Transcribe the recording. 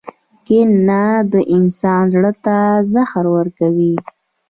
• کینه د انسان زړۀ ته زهر ورکوي.